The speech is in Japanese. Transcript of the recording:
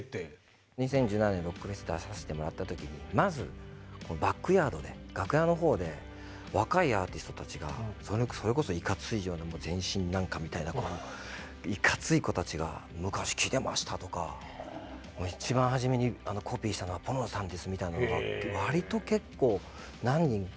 ２０１７年にロックフェス出させてもらった時にまずバックヤードで楽屋の方で若いアーティストたちがそれこそいかついような全身何かみたいないかつい子たちが「昔聴いてました」とか「一番初めにコピーしたのはポルノさんです」みたいなのがわりと結構何人か来てくれて。